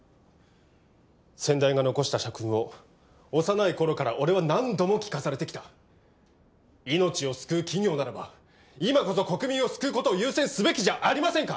先代が残した社訓を幼い頃から俺は何度も聞かされてきた命を救う企業ならば今こそ国民を救うことを優先すべきじゃありませんか！？